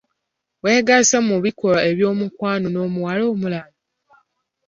Wegasse mu bikolwa eby'omukwano n'omuwala omulala?